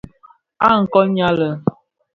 A kôn nyali.